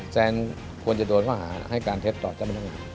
แซนควรจะโดนเข้าอาหารให้การเท็จต่อจัดบรรยาย